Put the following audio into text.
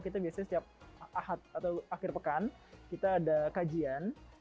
kita biasanya setiap atau akhir pekan kita ada kajian